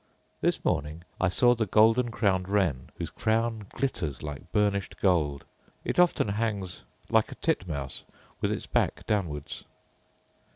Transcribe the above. This morning I saw the golden crowned wren, whose crown glitters like burnished gold. It often hangs lice a titmouse, with its back downwards.